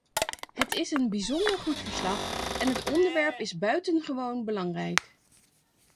Het is een bijzonder goed verslag en het onderwerp is buitengewoon belangrijk.